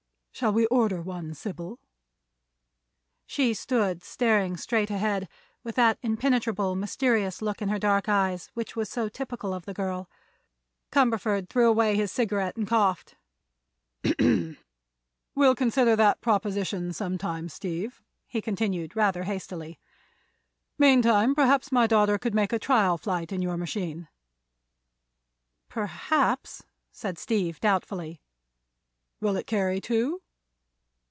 "Shall we order one, Sybil?" She stood staring straight ahead, with that impenetrable, mysterious look in her dark eyes which was so typical of the girl. Cumberford threw away his cigarette and coughed. "We'll consider that proposition some time, Steve," he continued, rather hastily. "Meantime, perhaps my daughter could make a trial flight in your machine." "Perhaps," said Steve, doubtfully. "Will it carry two?"